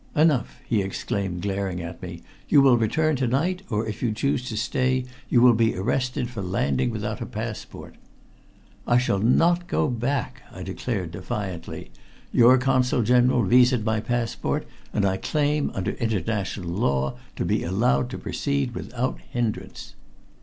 "Enough!" he exclaimed, glaring at me. "You will return to night, or if you choose to stay you will be arrested for landing without a passport." "I shall not go back!" I declared defiantly. "Your Consul General viséd my passport, and I claim, under international law, to be allowed to proceed without hindrance."